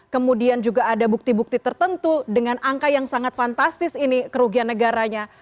kemudian juga ada bukti bukti tertentu dengan angka yang sangat fantastis ini kerugian negaranya